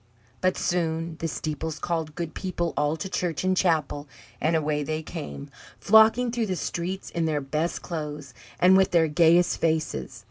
But soon the steeples called good people all to church and chapel, and away they came, flocking through the streets in their best clothes, and with their gayest faces.